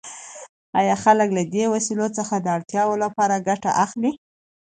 آیا خلک له دې وسایلو څخه د اړتیاوو لپاره ګټه اخلي؟